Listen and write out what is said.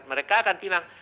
mereka akan bilang